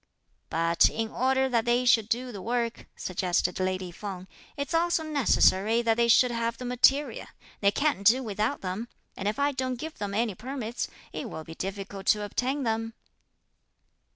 "But in order that they should do the work," suggested lady Feng, "it's also necessary that they should have the material, they can't do without them; and if I don't give them any permits, it will be difficult to obtain them."